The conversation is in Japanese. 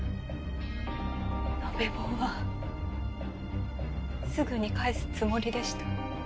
延べ棒はすぐに返すつもりでした。